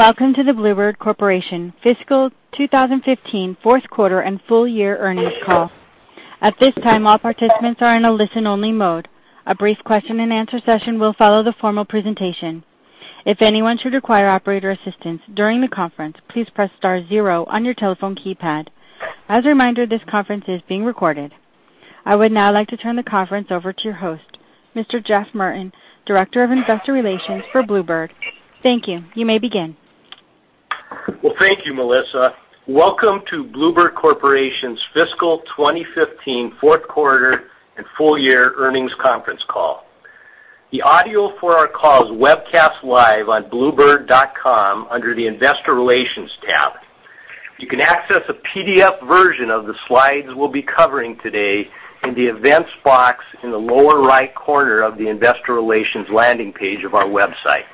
Welcome to the Blue Bird Corporation Fiscal 2015 fourth quarter and full year earnings call. At this time, all participants are in a listen-only mode. A brief question and answer session will follow the formal presentation. If anyone should require operator assistance during the conference, please press star zero on your telephone keypad. As a reminder, this conference is being recorded. I would now like to turn the conference over to your host, Mr. Jeff Murden, Director of Investor Relations for Blue Bird. Thank you. You may begin. Thank you, Melissa. Welcome to Blue Bird Corporation's Fiscal 2015 fourth quarter and full year earnings conference call. The audio for our call is webcast live on blue-bird.com under the investor relations tab. You can access a PDF version of the slides we'll be covering today in the events box in the lower right corner of the investor relations landing page of our website.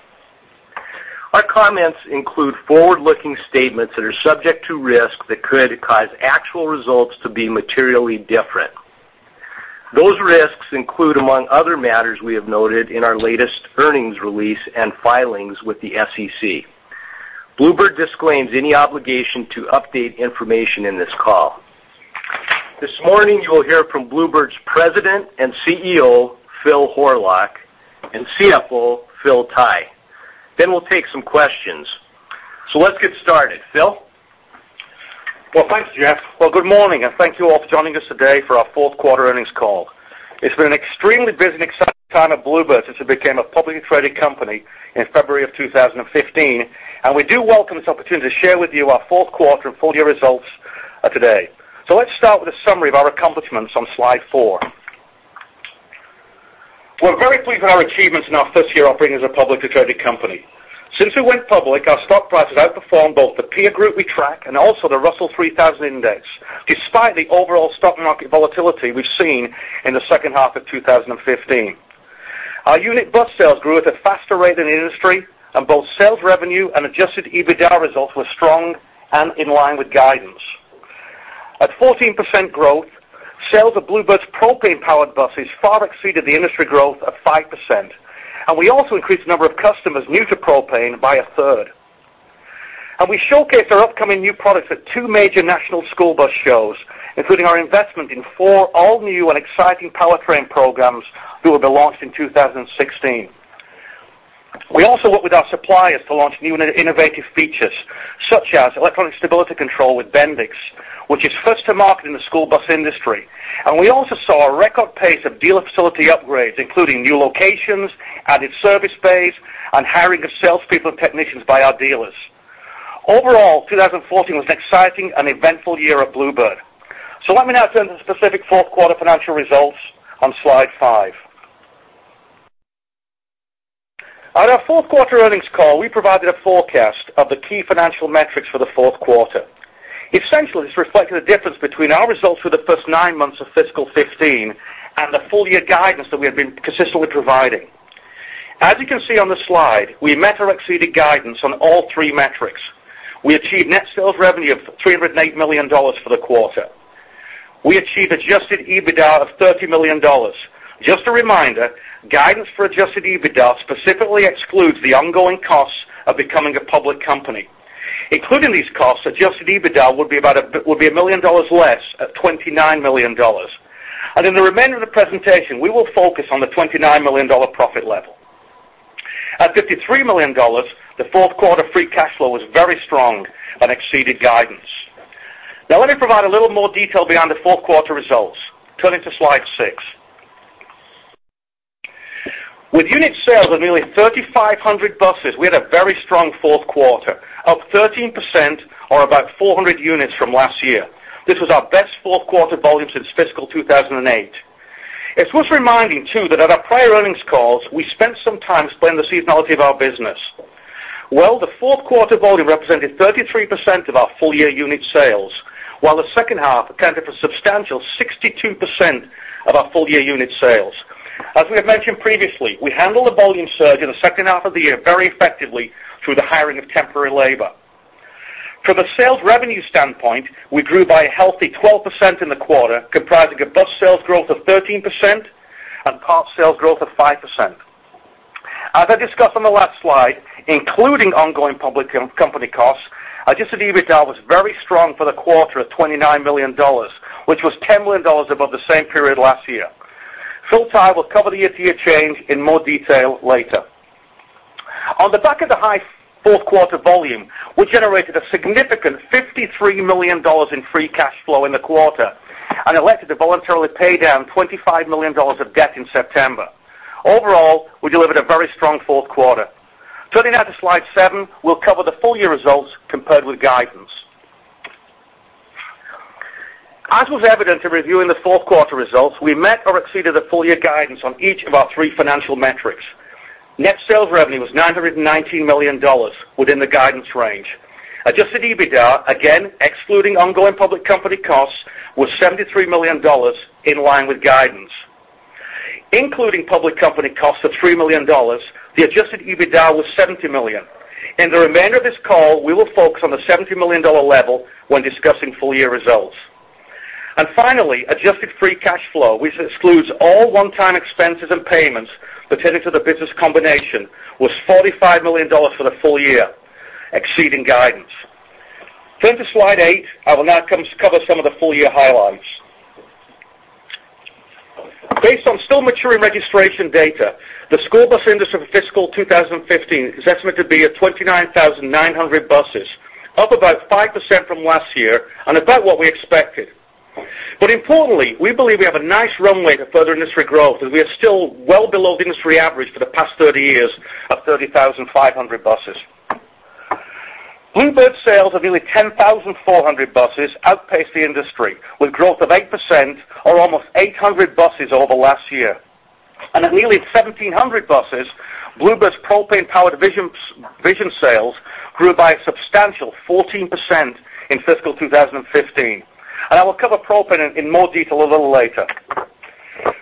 Our comments include forward-looking statements that are subject to risk that could cause actual results to be materially different. Those risks include among other matters we have noted in our latest earnings release and filings with the SEC. Blue Bird disclaims any obligation to update information in this call. This morning, you will hear from Blue Bird's President and CEO, Phil Horlock, and CFO, Phillip Tighe. We'll take some questions. Let's get started. Phil? Thanks, Jeff. Good morning, and thank you all for joining us today for our fourth quarter earnings call. It's been an extremely busy and exciting time at Blue Bird since it became a publicly traded company in February of 2015, and we do welcome this opportunity to share with you our fourth quarter and full year results today. Let's start with a summary of our accomplishments on slide four. We're very pleased with our achievements in our first year operating as a publicly traded company. Since we went public, our stock price has outperformed both the peer group we track and also the Russell 3000 Index, despite the overall stock market volatility we've seen in the second half of 2015. Our unit bus sales grew at a faster rate than the industry, and both sales revenue and adjusted EBITDA results were strong and in line with guidance. At 14% growth, sales of Blue Bird's propane-powered bus has far exceeded the industry growth of 5%, and we also increased the number of customers new to propane by a third. We showcased our upcoming new products at two major national school bus shows, including our investment in four all-new and exciting powertrain programs that will be launched in 2016. We also worked with our suppliers to launch new and innovative features, such as electronic stability control with Bendix, which is first to market in the school bus industry. We also saw a record pace of dealer facility upgrades, including new locations, added service bays, and hiring of salespeople and technicians by our dealers. Overall, 2014 was an exciting and eventful year at Blue Bird. Let me now turn to the specific fourth quarter financial results on slide five. On our fourth quarter earnings call, we provided a forecast of the key financial metrics for the fourth quarter. Essentially, this reflected a difference between our results for the first nine months of fiscal 2015 and the full year guidance that we have been consistently providing. As you can see on the slide, we met or exceeded guidance on all three metrics. We achieved net sales revenue of $308 million for the quarter. We achieved adjusted EBITDA of $30 million. Just a reminder, guidance for adjusted EBITDA specifically excludes the ongoing costs of becoming a public company. Including these costs, adjusted EBITDA would be $1 million less at $29 million. In the remainder of the presentation, we will focus on the $29 million profit level. At $53 million, the fourth quarter free cash flow was very strong and exceeded guidance. Now, let me provide a little more detail behind the fourth quarter results. Turning to slide six. With unit sales of nearly 3,500 buses, we had a very strong fourth quarter, up 13% or about 400 units from last year. This was our best fourth quarter volume since fiscal 2008. It's worth reminding, too, that at our prior earnings calls, we spent some time explaining the seasonality of our business. The fourth quarter volume represented 33% of our full year unit sales, while the second half accounted for a substantial 62% of our full year unit sales. As we have mentioned previously, we handle the volume surge in the second half of the year very effectively through the hiring of temporary labor. From a sales revenue standpoint, we grew by a healthy 12% in the quarter, comprising a bus sales growth of 13% and parts sales growth of 5%. As I discussed on the last slide, including ongoing public company costs, adjusted EBITDA was very strong for the quarter at $29 million, which was $10 million above the same period last year. Phil Tighe will cover the year-to-year change in more detail later. On the back of the high fourth quarter volume, we generated a significant $53 million in free cash flow in the quarter and elected to voluntarily pay down $25 million of debt in September. Overall, we delivered a very strong fourth quarter. Turning now to slide seven, we'll cover the full year results compared with guidance. As was evident in reviewing the fourth quarter results, we met or exceeded the full year guidance on each of our three financial metrics. Net sales revenue was $919 million within the guidance range. Adjusted EBITDA, again, excluding ongoing public company costs, was $73 million in line with guidance. Including public company costs of $3 million, the adjusted EBITDA was $70 million. In the remainder of this call, we will focus on the $70 million level when discussing full year results. Finally, adjusted free cash flow, which excludes all one-time expenses and payments pertaining to the business combination, was $45 million for the full year, exceeding guidance. Turn to slide eight. I will now cover some of the full-year highlights. Based on still maturing registration data, the school bus industry for fiscal 2015 is estimated to be at 29,900 buses, up about 5% from last year, and about what we expected. Importantly, we believe we have a nice runway to further industry growth, as we are still well below the industry average for the past 30 years of 30,500 buses. Blue Bird sales of nearly 10,400 buses outpaced the industry, with growth of 8%, or almost 800 buses over last year. At nearly 1,700 buses, Blue Bird's propane-powered Vision sales grew by a substantial 14% in fiscal 2015. I will cover propane in more detail a little later.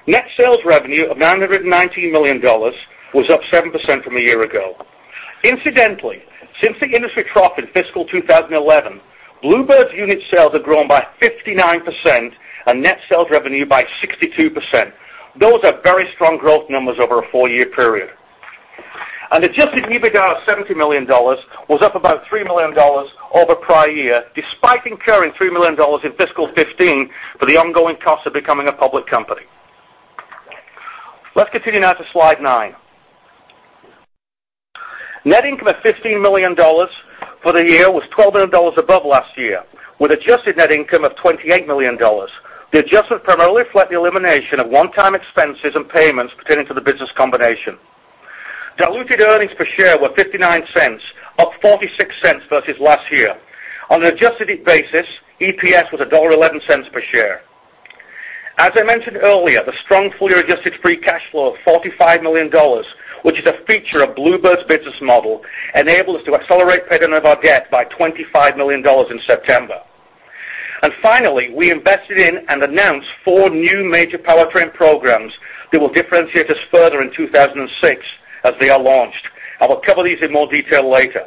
Net sales revenue of $919 million was up 7% from a year ago. Incidentally, since the industry trough in fiscal 2011, Blue Bird's unit sales have grown by 59%, and net sales revenue by 62%. Those are very strong growth numbers over a four-year period. Adjusted EBITDA of $70 million was up about $3 million over prior year, despite incurring $3 million in fiscal 2015 for the ongoing cost of becoming a public company. Let's continue now to slide nine. Net income of $15 million for the year was $12 million above last year, with adjusted net income of $28 million. The adjustment primarily reflects the elimination of one-time expenses and payments pertaining to the business combination. Diluted earnings per share were $0.59, up $0.46 versus last year. On an adjusted basis, EPS was $1.11 per share. As I mentioned earlier, the strong full-year adjusted free cash flow of $45 million, which is a feature of Blue Bird's business model, enabled us to accelerate payment of our debt by $25 million in September. Finally, we invested in and announced four new major powertrain programs that will differentiate us further in 2016 as they are launched. I will cover these in more detail later.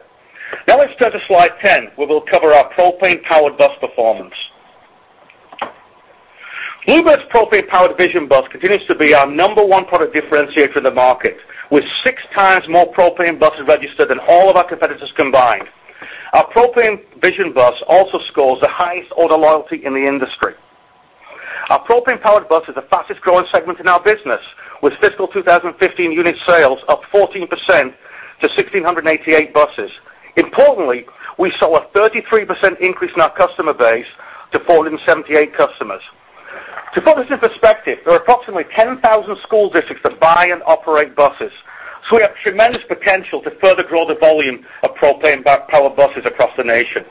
Now let's turn to slide 10, where we'll cover our propane-powered bus performance. Blue Bird's propane-powered Vision bus continues to be our number one product differentiator in the market, with six times more propane buses registered than all of our competitors combined. Our propane Vision bus also scores the highest owner loyalty in the industry. Our propane-powered bus is the fastest-growing segment in our business, with fiscal 2015 unit sales up 14% to 1,688 buses. Importantly, we saw a 33% increase in our customer base to 478 customers. To put this in perspective, there are approximately 10,000 school districts that buy and operate buses, so we have tremendous potential to further grow the volume of propane-powered buses across the nation.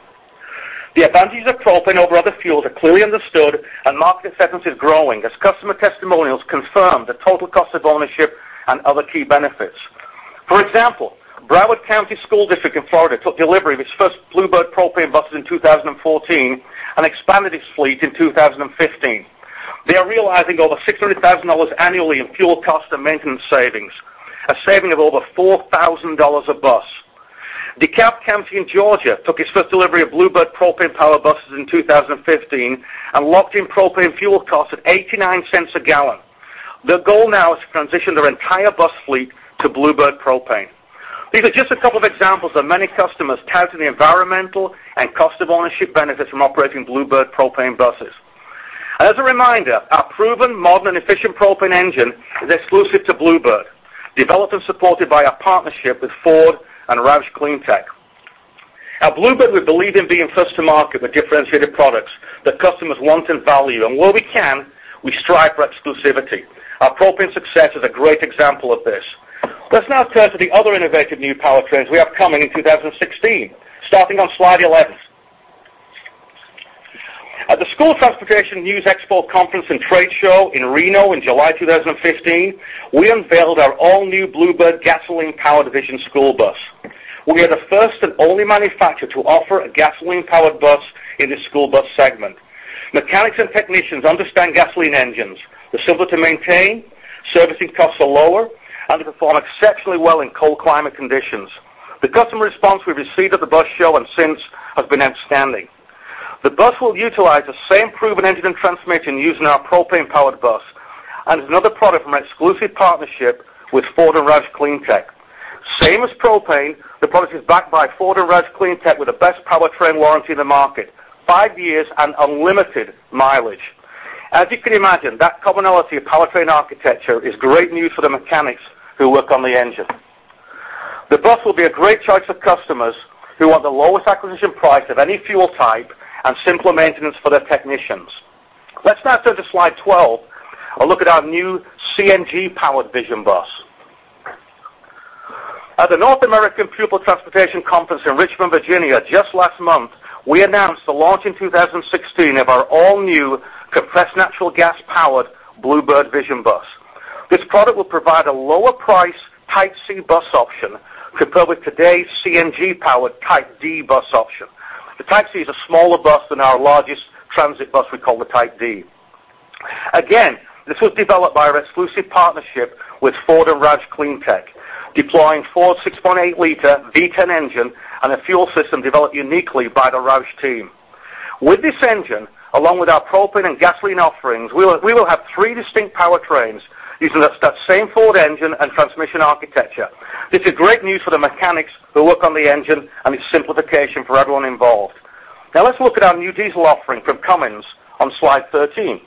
The advantages of propane over other fuels are clearly understood, market acceptance is growing as customer testimonials confirm the total cost of ownership and other key benefits. For example, Broward County School District in Florida took delivery of its first Blue Bird propane buses in 2014 and expanded its fleet in 2015. They are realizing over $600,000 annually in fuel cost and maintenance savings, a saving of over $4,000 a bus. DeKalb County in Georgia took its first delivery of Blue Bird propane-powered buses in 2015 and locked in propane fuel costs at $0.89 a gallon. Their goal now is to transition their entire bus fleet to Blue Bird propane. These are just a couple of examples of many customers touting the environmental and cost of ownership benefits from operating Blue Bird propane buses. As a reminder, our proven, modern, and efficient propane engine is exclusive to Blue Bird, developed and supported by our partnership with Ford and Roush CleanTech. At Blue Bird, we believe in being first to market with differentiated products that customers want and value, and where we can, we strive for exclusivity. Our propane success is a great example of this. Let's now turn to the other innovative new powertrains we have coming in 2016, starting on slide 11. At the STN EXPO Conference & Trade Show in Reno in July 2015, we unveiled our all-new Blue Bird gasoline-powered Vision school bus. We are the first and only manufacturer to offer a gasoline-powered bus in the school bus segment. Mechanics and technicians understand gasoline engines. They're simpler to maintain, servicing costs are lower, and they perform exceptionally well in cold climate conditions. The customer response we've received at the bus show and since has been outstanding. The bus will utilize the same proven engine and transmission used in our propane-powered bus and is another product from our exclusive partnership with Ford and Roush CleanTech. Same as propane, the product is backed by Ford and Roush CleanTech with the best powertrain warranty in the market, five years and unlimited mileage. As you can imagine, that commonality of powertrain architecture is great news for the mechanics who work on the engine. The bus will be a great choice for customers who want the lowest acquisition price of any fuel type and simpler maintenance for their technicians. Let's now turn to slide 12, a look at our new CNG-powered Vision bus. At the NAPT Annual Conference & Trade Show in Richmond, Virginia, just last month, we announced the launch in 2016 of our all-new compressed natural gas-powered Blue Bird Vision bus. This product will provide a lower price Type C bus option compared with today's CNG-powered Type D bus option. The Type C is a smaller bus than our largest transit bus we call the Type D. Again, this was developed by our exclusive partnership with Ford and Roush CleanTech, deploying Ford's 6.8 liter V10 engine and a fuel system developed uniquely by the Roush team. With this engine, along with our propane and gasoline offerings, we will have three distinct powertrains using that same Ford engine and transmission architecture. This is great news for the mechanics who work on the engine and it's simplification for everyone involved. Now let's look at our new diesel offering from Cummins on slide 13.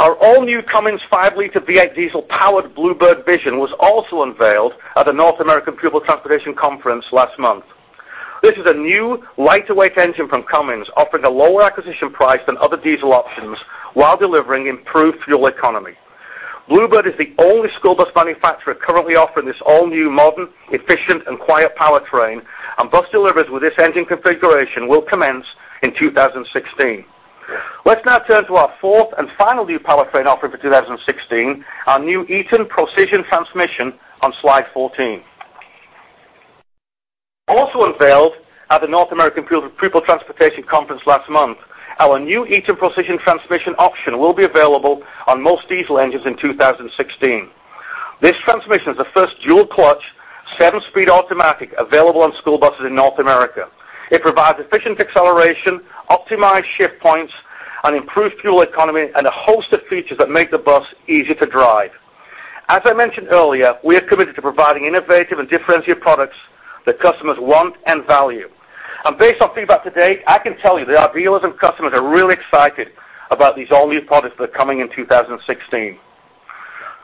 Our all-new Cummins 5 liter V8 diesel-powered Blue Bird Vision was also unveiled at the NAPT Annual Conference & Trade Show last month. This is a new, lighter-weight engine from Cummins, offering a lower acquisition price than other diesel options while delivering improved fuel economy. Blue Bird is the only school bus manufacturer currently offering this all-new modern, efficient and quiet powertrain, and bus deliveries with this engine configuration will commence in 2016. Let's now turn to our fourth and final new powertrain offering for 2016, our new Eaton Procision Transmission on slide 14. Also unveiled at the NAPT Annual Conference & Trade Show last month, our new Eaton Procision Transmission option will be available on most diesel engines in 2016. This transmission is the first dual-clutch, seven-speed automatic available on school buses in North America. It provides efficient acceleration, optimized shift points, an improved fuel economy, and a host of features that make the bus easier to drive. As I mentioned earlier, we are committed to providing innovative and differentiated products that customers want and value. Based on feedback to date, I can tell you that our dealers and customers are really excited about these all-new products that are coming in 2016.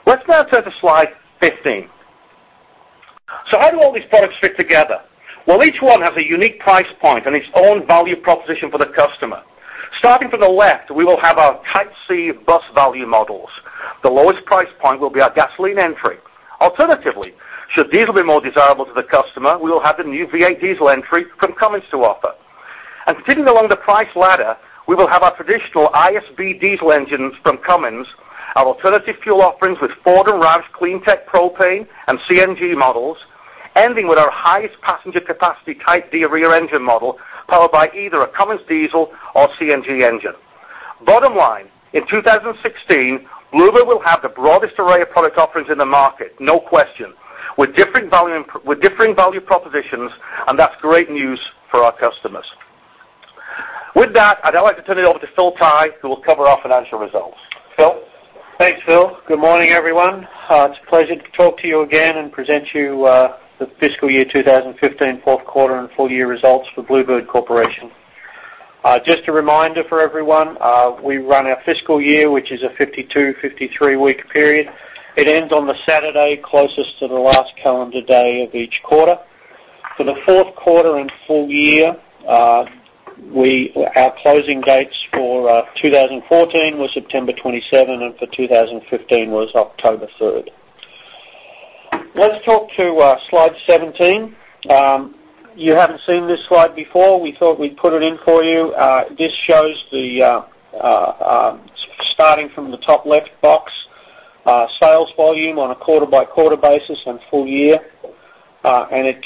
Let's now turn to slide 15. How do all these products fit together? Well, each one has a unique price point and its own value proposition for the customer. Starting from the left, we will have our Type C bus value models. The lowest price point will be our gasoline entry. Alternatively, should diesel be more desirable to the customer, we will have the new V8 diesel entry from Cummins to offer. Continuing along the price ladder, we will have our traditional Cummins ISB diesel engines, our alternative fuel offerings with Ford and Roush CleanTech propane, and CNG models, ending with our highest passenger capacity Type D rear-engine model, powered by either a Cummins diesel or CNG engine. Bottom line, in 2016, Blue Bird will have the broadest array of product offerings in the market, no question, with differing value propositions, and that's great news for our customers. With that, I'd now like to turn it over to Phil Tighe, who will cover our financial results. Phil? Thanks, Phil. Good morning, everyone. It's a pleasure to talk to you again and present you the fiscal year 2015 fourth quarter and full year results for Blue Bird Corporation. Just a reminder for everyone, we run our fiscal year, which is a 52, 53-week period. It ends on the Saturday closest to the last calendar day of each quarter. For the fourth quarter and full year, our closing dates for 2014 was September 27th, and for 2015 was October 3rd. Let's talk to slide 17. You haven't seen this slide before. We thought we'd put it in for you. This shows, starting from the top left box, sales volume on a quarter-by-quarter basis and full year, and it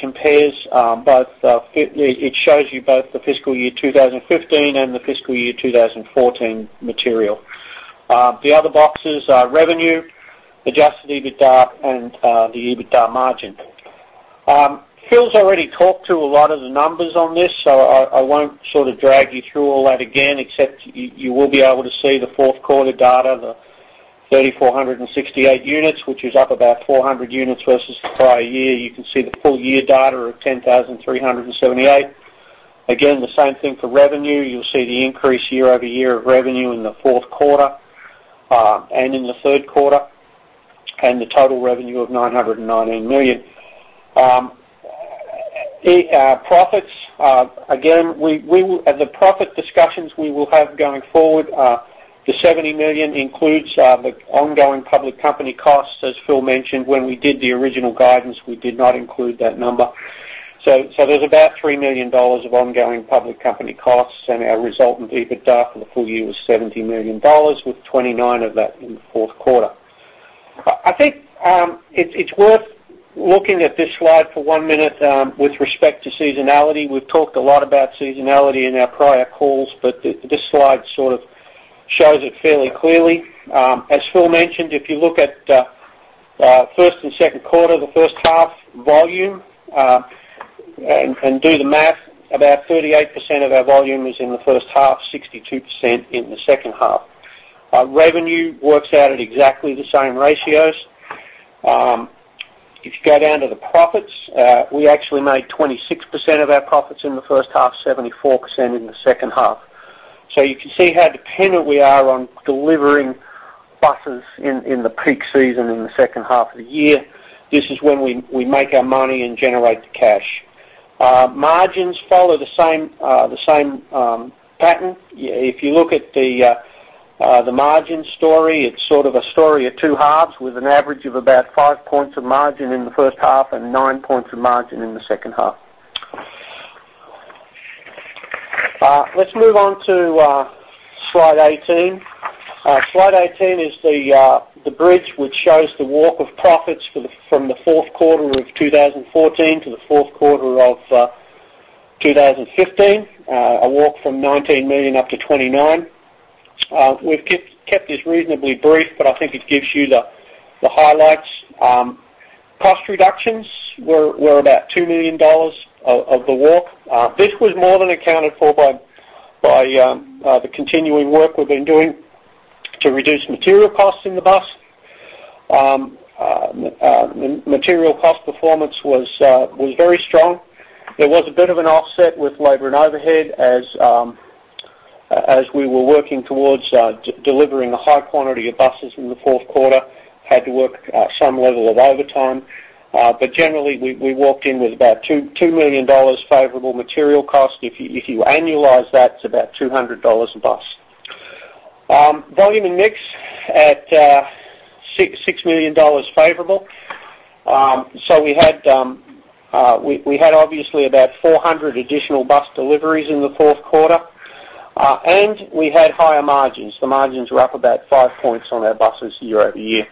shows you both the fiscal year 2015 and the fiscal year 2014 material. The other boxes are revenue, adjusted EBITDA, and the EBITDA margin. Phil's already talked to a lot of the numbers on this, I won't sort of drag you through all that again, except you will be able to see the fourth quarter data, the 3,468 units, which is up about 400 units versus the prior year. You can see the full-year data of 10,378. Again, the same thing for revenue. You'll see the increase year-over-year of revenue in the fourth quarter and in the third quarter, and the total revenue of $919 million. Profits. Again, the profit discussions we will have going forward, the $70 million includes the ongoing public company costs. As Phil mentioned, when we did the original guidance, we did not include that number. There's about $3 million of ongoing public company costs, and our resultant EBITDA for the full year was $70 million, with $29 million of that in the fourth quarter. I think it's worth looking at this slide for one minute with respect to seasonality. We've talked a lot about seasonality in our prior calls, but this slide sort of shows it fairly clearly. As Phil mentioned, if you look at first and second quarter, the first half volume, and do the math, about 38% of our volume is in the first half, 62% in the second half. Revenue works out at exactly the same ratios. If you go down to the profits, we actually made 26% of our profits in the first half, 74% in the second half. You can see how dependent we are on delivering buses in the peak season, in the second half of the year. This is when we make our money and generate the cash. Margins follow the same pattern. If you look at the margin story, it's sort of a story of two halves with an average of about five points of margin in the first half and nine points of margin in the second half. Let's move on to slide 18. Slide 18 is the bridge which shows the walk of profits from the fourth quarter of 2014 to the fourth quarter of 2015, a walk from $19 million up to $29 million. We've kept this reasonably brief, but I think it gives you the highlights. Cost reductions were about $2 million of the walk. This was more than accounted for by the continuing work we've been doing to reduce material costs in the bus. Material cost performance was very strong. There was a bit of an offset with labor and overhead as we were working towards delivering a high quantity of buses in the fourth quarter, had to work some level of overtime. Generally, we walked in with about $2 million favorable material cost. If you annualize that, it's about $200 a bus. Volume and mix at $6 million favorable. We had obviously about 400 additional bus deliveries in the fourth quarter, and we had higher margins. The margins were up about five points on our buses year-over-year.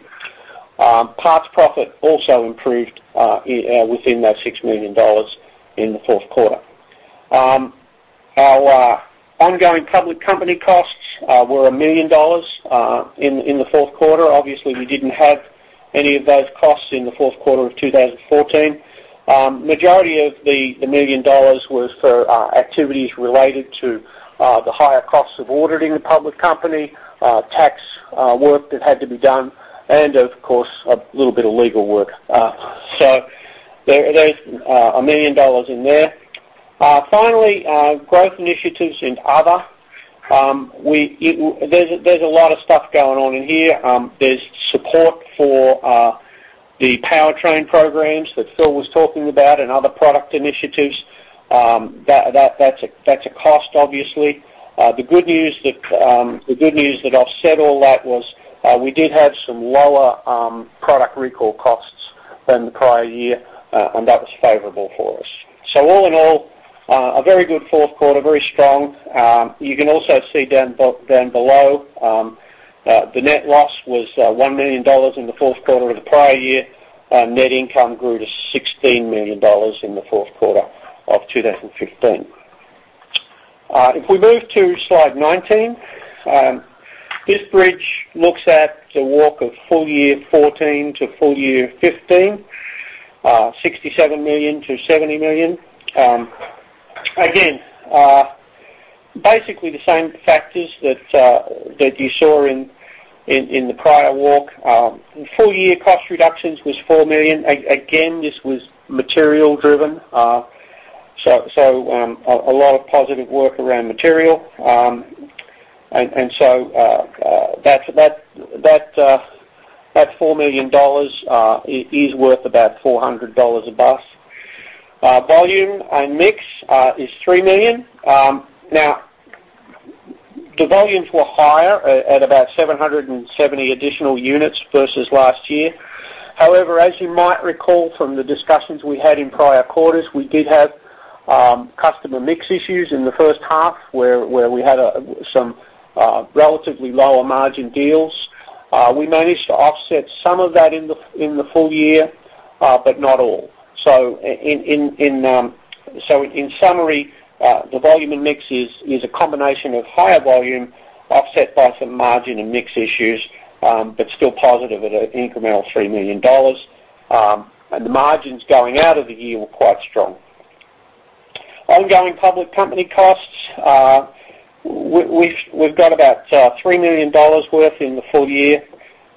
Parts profit also improved within that $6 million in the fourth quarter. Our ongoing public company costs were $1 million in the fourth quarter. Obviously, we didn't have any of those costs in the fourth quarter of 2014. Majority of the $1 million was for activities related to the higher costs of auditing the public company, tax work that had to be done, and of course, a little bit of legal work. There's $1 million in there. Finally, growth initiatives in other. There's a lot of stuff going on in here. There's support for the powertrain programs that Phil was talking about and other product initiatives. That's a cost, obviously. The good news that offset all that was we did have some lower product recall costs than the prior year, and that was favorable for us. All in all, a very good fourth quarter, very strong. You can also see down below, the net loss was $1 million in the fourth quarter of the prior year. Net income grew to $16 million in the fourth quarter of 2015. If we move to slide 19, this bridge looks at the walk of full year 2014 to full year 2015, $67 million to $70 million. Basically the same factors that you saw in the prior walk. Full-year cost reductions was $4 million. This was material-driven, so a lot of positive work around material. That $4 million is worth about $400 a bus. Volume and mix is $3 million. The volumes were higher at about 770 additional units versus last year. However, as you might recall from the discussions we had in prior quarters, we did have customer mix issues in the first half where we had some relatively lower margin deals. We managed to offset some of that in the full year, but not all. In summary, the volume and mix is a combination of higher volume offset by some margin and mix issues, but still positive at an incremental $3 million. The margins going out of the year were quite strong. Ongoing public company costs, we've got about $3 million worth in the full year.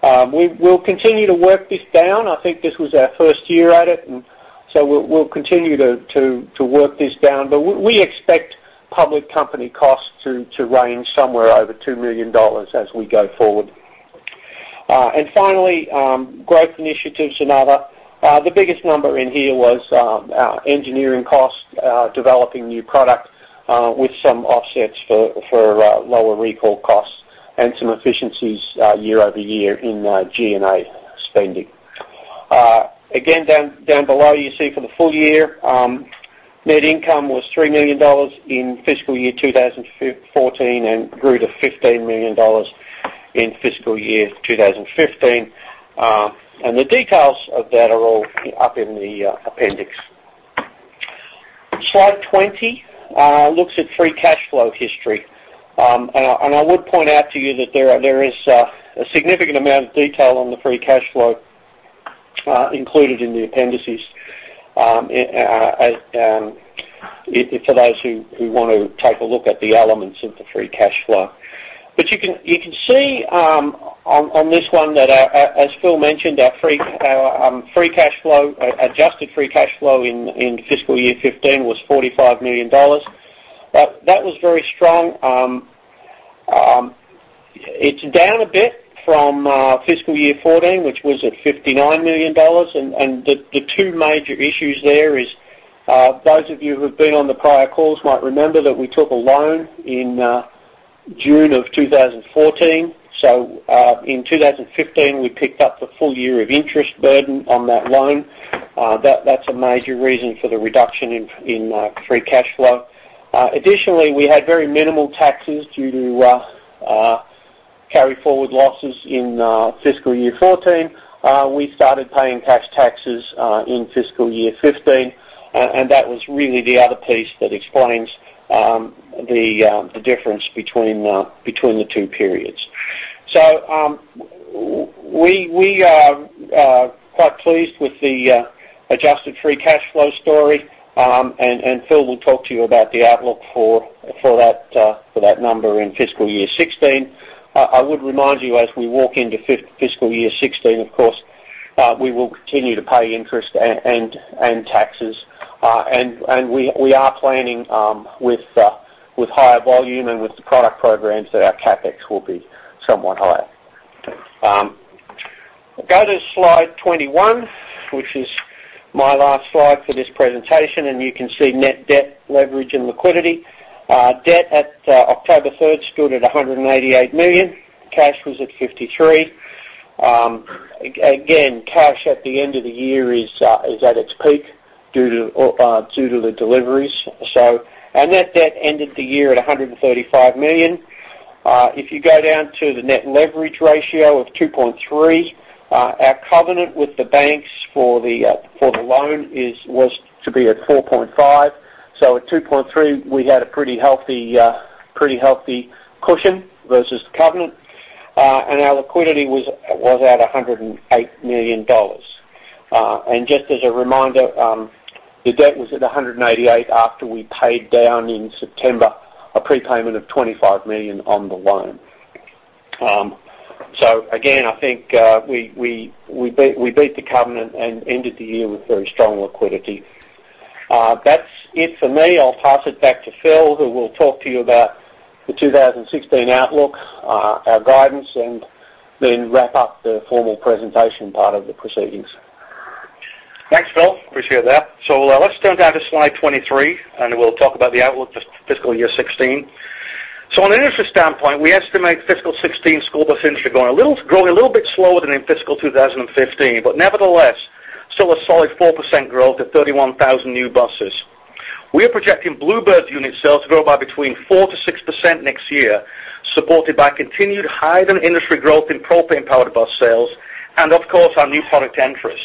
We'll continue to work this down. I think this was our first year at it, we'll continue to work this down. We expect public company costs to range somewhere over $2 million as we go forward. Finally, growth initiatives and other. The biggest number in here was engineering costs, developing new product with some offsets for lower recall costs and some efficiencies year-over-year in G&A spending. Down below, you see for the full year, net income was $3 million in fiscal year 2014 and grew to $15 million in fiscal year 2015. The details of that are all up in the appendix. Slide 20 looks at free cash flow history. I would point out to you that there is a significant amount of detail on the free cash flow included in the appendices for those who want to take a look at the elements of the free cash flow. You can see on this one that, as Phil mentioned, our adjusted free cash flow in fiscal year 2015 was $45 million. That was very strong. It's down a bit from fiscal year 2014, which was at $59 million. The two major issues there is those of you who have been on the prior calls might remember that we took a loan in June 2014. In 2015, we picked up the full year of interest burden on that loan. That's a major reason for the reduction in free cash flow. Additionally, we had very minimal taxes due to carry-forward losses in fiscal year 2014. We started paying cash taxes in fiscal year 2015, and that was really the other piece that explains the difference between the two periods. We are quite pleased with the adjusted free cash flow story, and Phil will talk to you about the outlook for that number in fiscal year 2016. I would remind you as we walk into fiscal year 2016, of course, we will continue to pay interest and taxes. We are planning with higher volume and with the product programs that our CapEx will be somewhat higher. Go to slide 21, which is my last slide for this presentation, and you can see net debt leverage and liquidity. Debt at October 3rd stood at $188 million. Cash was at $53 million. Cash at the end of the year is at its peak due to the deliveries. Our net debt ended the year at $135 million. If you go down to the net leverage ratio of 2.3, our covenant with the banks for the loan was to be at 4.5. At 2.3, we had a pretty healthy cushion versus the covenant. Our liquidity was at $108 million. Just as a reminder, the debt was at $188 million after we paid down in September a prepayment of $25 million on the loan. I think we beat the covenant and ended the year with very strong liquidity. That's it for me. I'll pass it back to Phil Horlock, who will talk to you about the 2016 outlook, our guidance, and then wrap up the formal presentation part of the proceedings. Thanks, Phil Tighe. Appreciate that. Let's turn now to slide 23, and we'll talk about the outlook for fiscal year 2016. On an industry standpoint, we estimate fiscal 2016 school bus industry growing a little bit slower than in fiscal 2015, but nevertheless, still a solid 4% growth to 31,000 new buses. We are projecting Blue Bird unit sales to grow by between 4% to 6% next year, supported by continued higher than industry growth in propane-powered bus sales, and of course, our new product entrants.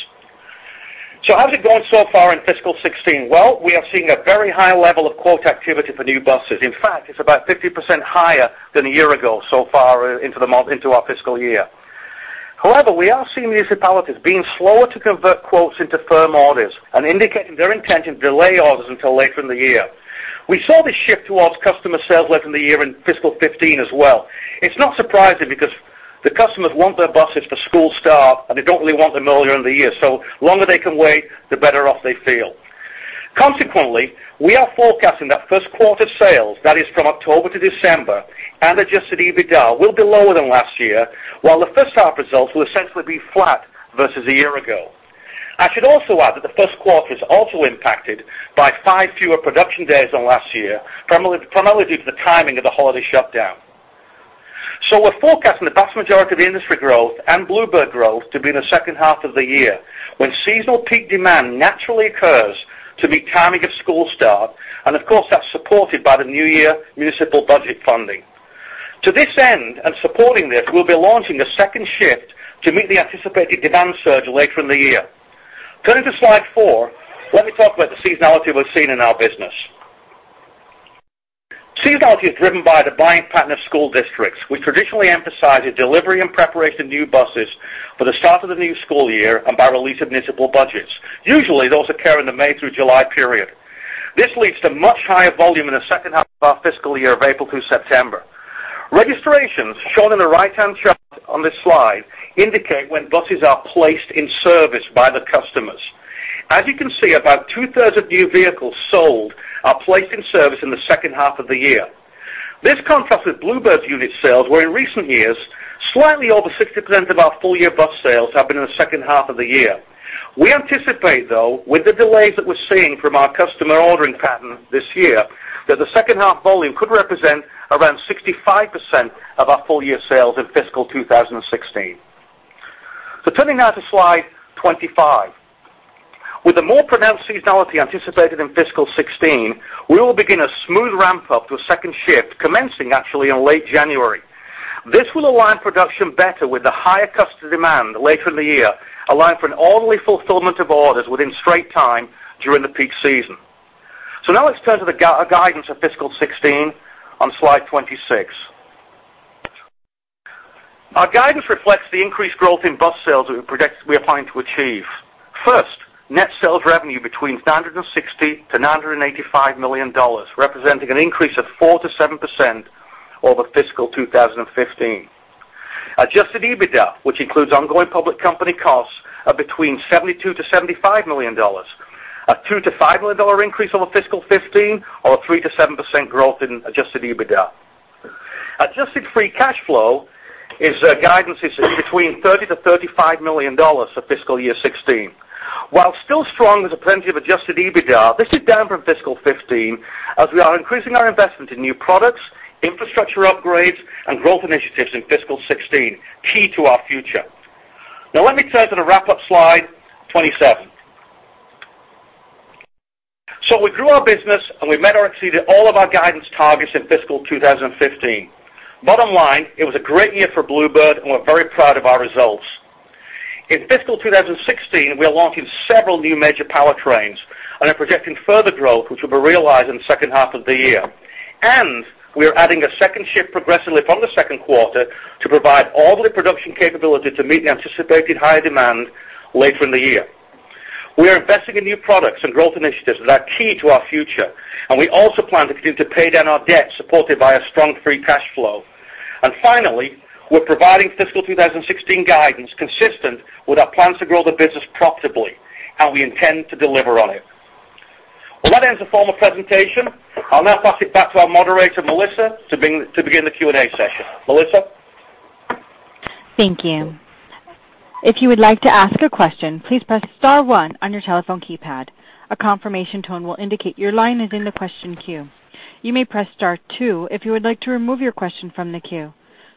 How's it going so far in fiscal 2016? We are seeing a very high level of quote activity for new buses. In fact, it's about 50% higher than a year ago so far into our fiscal year. However, we are seeing municipalities being slower to convert quotes into firm orders and indicating their intent to delay orders until later in the year. We saw this shift towards customer sales later in the year in fiscal 2015 as well. It's not surprising because the customers want their buses for school start, and they don't really want them earlier in the year. The longer they can wait, the better off they feel. Consequently, we are forecasting that first quarter sales, that is from October to December, and adjusted EBITDA will be lower than last year, while the first half results will essentially be flat versus a year ago. I should also add that the first quarter is also impacted by five fewer production days than last year, primarily for the timing of the holiday shutdown. We're forecasting the vast majority of the industry growth and Blue Bird growth to be in the second half of the year, when seasonal peak demand naturally occurs to meet timing of school start, and of course, that's supported by the new year municipal budget funding. To this end, and supporting this, we'll be launching a second shift to meet the anticipated demand surge later in the year. Going to slide four, let me talk about the seasonality we're seeing in our business. Seasonality is driven by the buying pattern of school districts. We traditionally emphasize the delivery and preparation of new buses for the start of the new school year and by release of municipal budgets. Usually, those occur in the May through July period. This leads to much higher volume in the second half of our fiscal year of April through September. Registrations shown in the right-hand chart on this slide indicate when buses are placed in service by the customers. As you can see, about two-thirds of new vehicles sold are placed in service in the second half of the year. This contrasts with Blue Bird's unit sales, where in recent years, slightly over 60% of our full-year bus sales have been in the second half of the year. We anticipate, though, with the delays that we're seeing from our customer ordering pattern this year, that the second half volume could represent around 65% of our full-year sales in fiscal 2016. Turning now to slide 25. With the more pronounced seasonality anticipated in fiscal 2016, we will begin a smooth ramp-up to a second shift commencing actually in late January. This will align production better with the higher customer demand later in the year, allowing for an orderly fulfillment of orders within straight time during the peak season. Now let's turn to the guidance of fiscal 2016 on slide 26. Our guidance reflects the increased growth in bus sales that we're planning to achieve. First, net sales revenue between $960 million-$985 million, representing an increase of 4%-7% over fiscal 2015. Adjusted EBITDA, which includes ongoing public company costs, are between $72 million-$75 million, a $2 million-$5 million increase over fiscal 2015 or a 3%-7% growth in adjusted EBITDA. Adjusted free cash flow guidance is between $30 million-$35 million for fiscal year 2016. While still strong as a plenty of adjusted EBITDA, this is down from fiscal 2015 as we are increasing our investment in new products, infrastructure upgrades, and growth initiatives in fiscal 2016, key to our future. Now let me turn to the wrap-up slide 27. We grew our business, and we met or exceeded all of our guidance targets in fiscal 2015. Bottom line, it was a great year for Blue Bird, and we're very proud of our results. In fiscal 2016, we are launching several new major powertrains and are projecting further growth, which will be realized in the second half of the year. We are adding a second shift progressively from the second quarter to provide all the production capability to meet the anticipated higher demand later in the year. We are investing in new products and growth initiatives that are key to our future, and we also plan to continue to pay down our debt, supported by a strong free cash flow. Finally, we're providing fiscal 2016 guidance consistent with our plans to grow the business profitably, and we intend to deliver on it. Well, that ends the formal presentation. I'll now pass it back to our moderator, Melissa, to begin the Q&A session. Melissa? Thank you. If you would like to ask a question, please press *1 on your telephone keypad. A confirmation tone will indicate your line is in the question queue. You may press *2 if you would like to remove your question from the queue.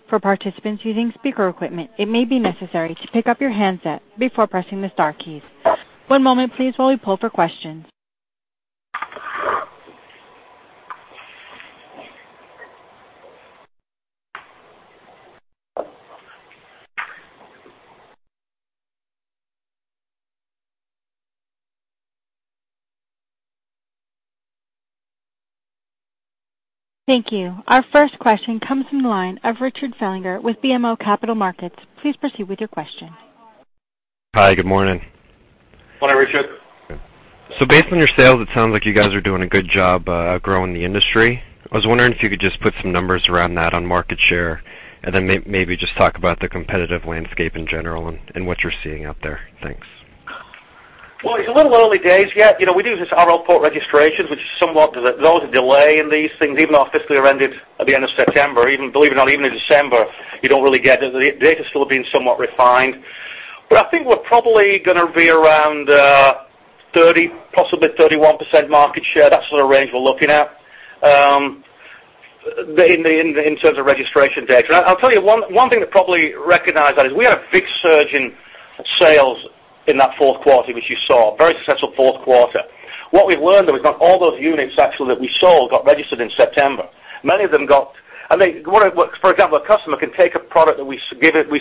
For participants using speaker equipment, it may be necessary to pick up your handset before pressing the star keys. One moment please while we pull for questions. Thank you. Our first question comes from the line of Richard Fellinger with BMO Capital Markets. Please proceed with your question. Hi. Good morning. Morning, Richard. Based on your sales, it sounds like you guys are doing a good job growing the industry. I was wondering if you could just put some numbers around that on market share and then maybe just talk about the competitive landscape in general and what you're seeing out there. Thanks. Well, it's a little early days yet. We do these R.L. Polk registrations, which is somewhat, there was a delay in these things, even though our fiscal year ended at the end of September. Believe it or not, even in December, you don't really get it. The data's still being somewhat refined. I think we're probably going to be around 30%, possibly 31% market share. That sort of range we're looking at in terms of registration data. I'll tell you one thing to probably recognize that is we had a big surge in sales in that fourth quarter, which you saw. A very successful fourth quarter. What we've learned though is not all those units actually that we sold got registered in September. For example, a customer can take a product that we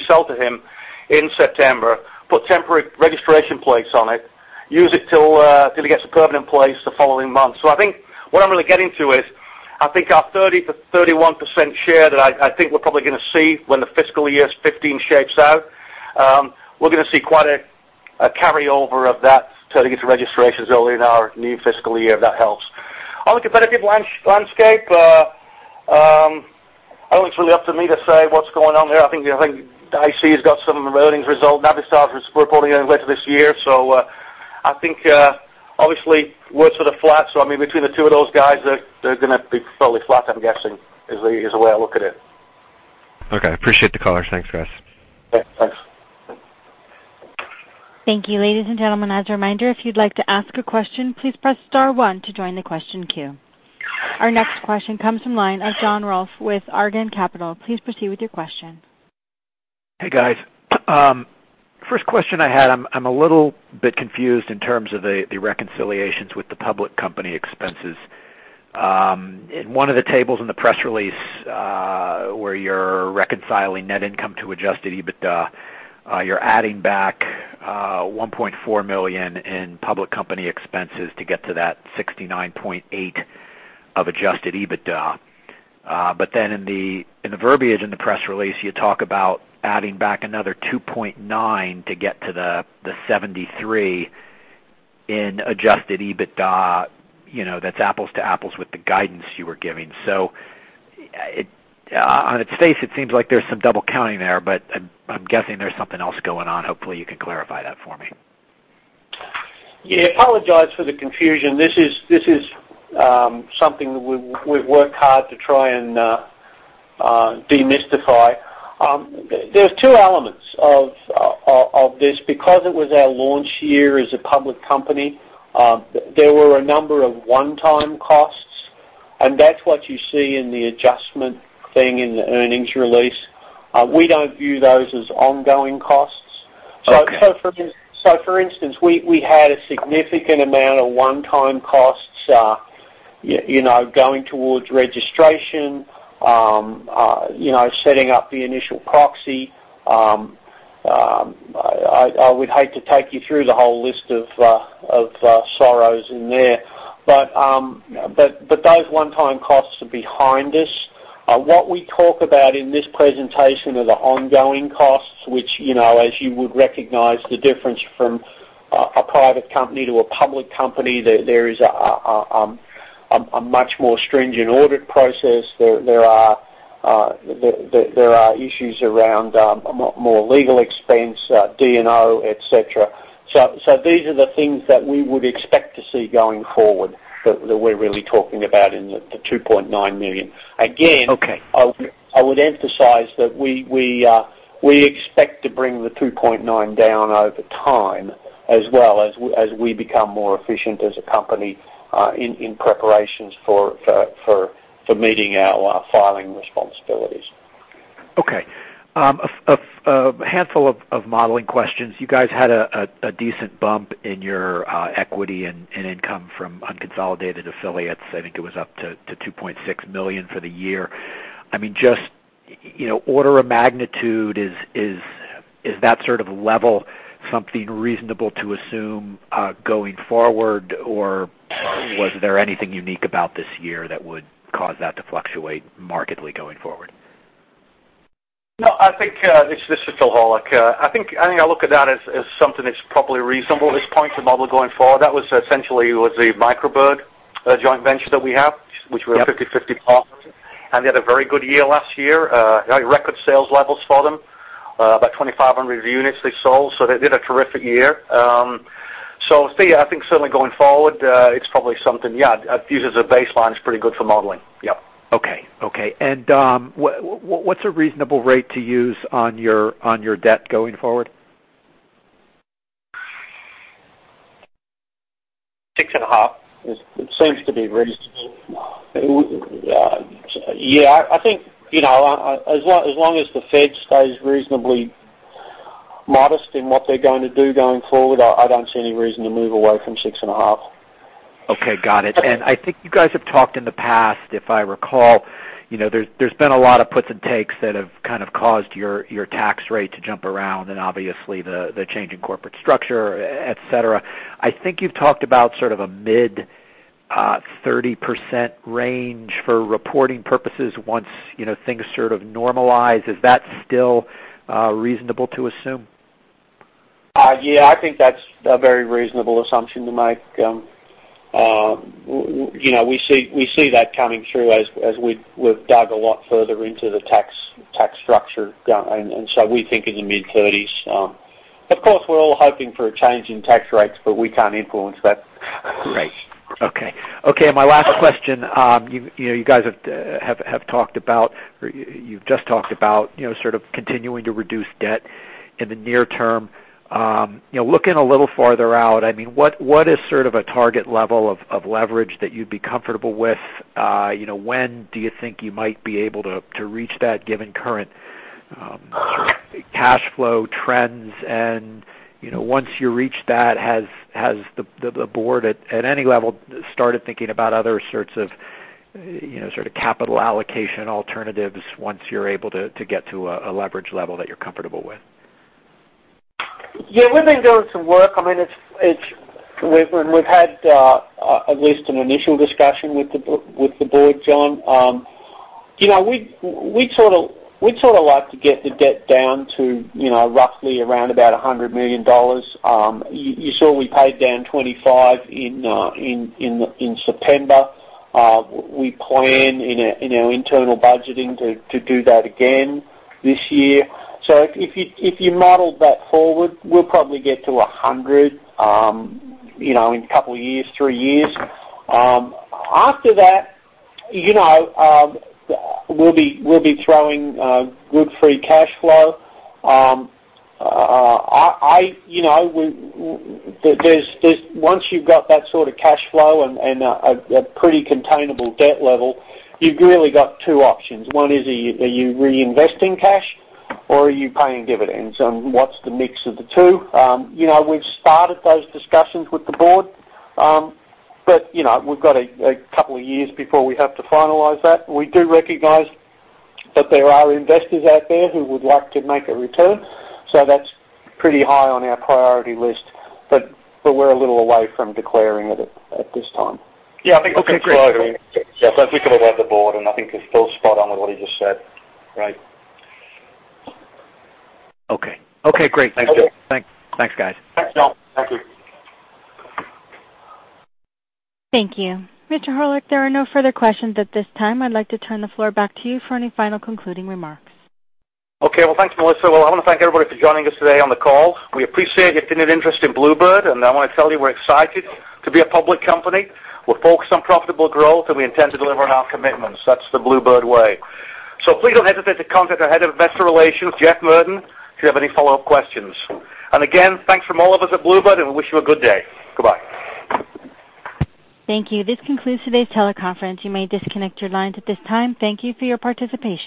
sell to him in September, put temporary registration plates on it, use it till it gets the permanent plates the following month. I think what I'm really getting to is, I think our 30%-31% share that I think we're probably going to see when the fiscal year 2015 shapes out, we're going to see quite a carryover of that turning into registrations early in our new fiscal year, if that helps. On the competitive landscape, I don't think it's really up to me to say what's going on there. I think IC's got some earnings result. Navistar's reporting later this year. I think, obviously we're sort of flat. Between the two of those guys, they're going to be fairly flat, I'm guessing, is the way I look at it. Okay. Appreciate the color. Thanks, guys. Yeah, thanks. Thank you. Ladies and gentlemen, as a reminder, if you'd like to ask a question, please press *1 to join the question queue. Our next question comes from line of John with Argand Capital. Please proceed with your question. Hey, guys. First question I had, I'm a little bit confused in terms of the reconciliations with the public company expenses. In one of the tables in the press release, where you're reconciling net income to adjusted EBITDA, you're adding back $1.4 million in public company expenses to get to that $69.8 of adjusted EBITDA. In the verbiage in the press release, you talk about adding back another $2.9 to get to the $73 in adjusted EBITDA. That's apples to apples with the guidance you were giving. On its face, it seems like there's some double counting there, but I'm guessing there's something else going on. Hopefully you can clarify that for me. Yeah, apologize for the confusion. This is something that we've worked hard to try and demystify. There's two elements of this. Because it was our launch year as a public company, there were a number of one-time costs, and that's what you see in the adjustment thing in the earnings release. We don't view those as ongoing costs. Okay. For instance, we had a significant amount of one-time costs going towards registration, setting up the initial proxy. I would hate to take you through the whole list of sorrows in there. Those one-time costs are behind us. What we talk about in this presentation are the ongoing costs, which, as you would recognize, the difference from a private company to a public company, there is a much more stringent audit process. There are issues around more legal expense, D&O, et cetera. These are the things that we would expect to see going forward that we're really talking about in the $2.9 million. Again. Okay I would emphasize that we expect to bring the 2.9 down over time as well as we become more efficient as a company in preparations for meeting our filing responsibilities. Okay. A handful of modeling questions. You guys had a decent bump in your equity and income from unconsolidated affiliates. I think it was up to $2.6 million for the year. Order of magnitude, is that sort of level something reasonable to assume going forward? Was there anything unique about this year that would cause that to fluctuate markedly going forward? I think, this is Phil Horlock. I think I look at that as something that's probably reasonable at this point to model going forward. That was essentially was a Micro Bird joint venture that we have Yep which we're a 50-50 partner. They had a very good year last year. Record sales levels for them, about 2,500 units they sold. They did a terrific year. I think certainly going forward, it's probably something, yeah, to use as a baseline is pretty good for modeling. Yep. Okay. What's a reasonable rate to use on your debt going forward? Six and a half is, it seems to be reasonable. Yeah. I think, as long as the Fed stays reasonably modest in what they're going to do going forward, I don't see any reason to move away from six and a half. Okay. Got it. I think you guys have talked in the past, if I recall, there's been a lot of puts and takes that have kind of caused your tax rate to jump around, and obviously the change in corporate structure, et cetera. I think you've talked about sort of a mid-30% range for reporting purposes once things sort of normalize. Is that still reasonable to assume? Yeah, I think that's a very reasonable assumption to make. We see that coming through as we've dug a lot further into the tax structure. We think in the mid-30s. Of course, we're all hoping for a change in tax rates, but we can't influence that. Great. Okay. My last question. You guys have talked about, or you've just talked about sort of continuing to reduce debt in the near term. Looking a little farther out, what is sort of a target level of leverage that you'd be comfortable with? When do you think you might be able to reach that, given current cash flow trends? Once you reach that, has the board, at any level, started thinking about other sorts of capital allocation alternatives once you're able to get to a leverage level that you're comfortable with? Yeah, we've been doing some work. We've had at least an initial discussion with the board, John. We'd sort of like to get the debt down to roughly around about $100 million. You saw we paid down $25 in September. We plan in our internal budgeting to do that again this year. If you modeled that forward, we'll probably get to $100 in a couple of years, three years. After that, we'll be throwing good free cash flow. Once you've got that sort of cash flow and a pretty containable debt level, you've really got two options. One is, are you reinvesting cash or are you paying dividends? What's the mix of the two? We've started those discussions with the board. We've got a couple of years before we have to finalize that. We do recognize that there are investors out there who would like to make a return. That's pretty high on our priority list. We're a little away from declaring it at this time. Yeah. Okay, great. That's exactly what I mean. Yeah. I think about the board, and I think Phil's spot on with what he just said. Right. Okay. Great. Thanks, Phil. Thanks, guys. Thanks, John. Thank you. Thank you. Phil Horlock, there are no further questions at this time. I'd like to turn the floor back to you for any final concluding remarks. Okay. Well, thanks, Melissa. Well, I want to thank everybody for joining us today on the call. We appreciate your continued interest in Blue Bird, and I want to tell you we're excited to be a public company. We're focused on profitable growth, and we intend to deliver on our commitments. That's the Blue Bird way. Please don't hesitate to contact our Head of Investor Relations, Jeff Murden, if you have any follow-up questions. Again, thanks from all of us at Blue Bird, and we wish you a good day. Goodbye. Thank you. This concludes today's teleconference. You may disconnect your lines at this time. Thank you for your participation.